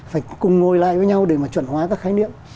phải cùng ngồi lại với nhau để mà chuẩn hóa các khái niệm